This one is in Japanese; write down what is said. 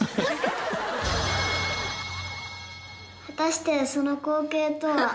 果たしてその光景とは？